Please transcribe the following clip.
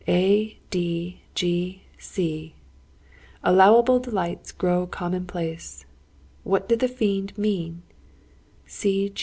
"A, D, G, C. 'Allowable delights grow commonplace!' What did the fiend mean?